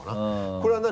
これは何？